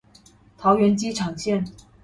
桃園機場線